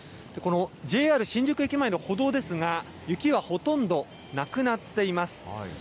このＪＲ新宿駅前の歩道ですが、雪はほとんどなくなっています。